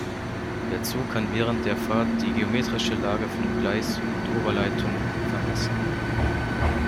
Der Zug kann während der Fahrt die geometrische Lage von Gleis und Oberleitung vermessen.